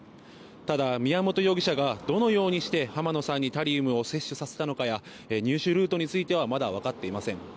ただ、宮本容疑者がどのようにして浜野さんにタリウムを摂取させたのかや入手ルートについてはまだ分かっていません。